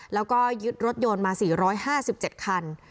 แล้วก็ยึดรถยนต์มา๔๕๗คัน